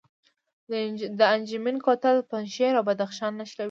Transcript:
د انجمین کوتل پنجشیر او بدخشان نښلوي